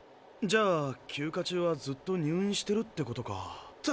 じゃあ休暇中はずっと入院してるってことか。